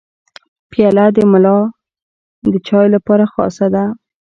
پیاله د ملای د چای لپاره خاصه ده.